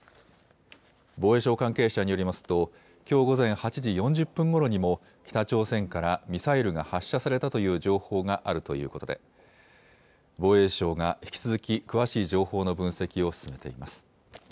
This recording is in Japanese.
防衛省関係者によりますと、きょう午前８時４０分ごろにも、北朝鮮からミサイルが発射されたという情報があるということで、防衛省が引き続き詳しい情報の分析を進めています。